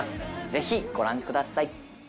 ぜひご覧ください。